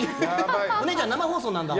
お姉ちゃん、生放送なんだわ。